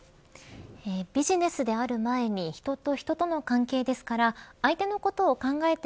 ビジネスである前に人と人との関係ですから相手のことを考えて